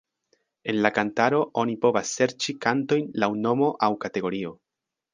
En la kantaro oni povas serĉi kantojn laŭ nomo aŭ kategorio.